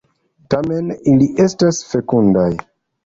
Tamen ili estas fekundaj.